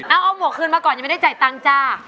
เอาหมวกคืนมาก่อนยังไม่ได้จ่ายตังค์จ้า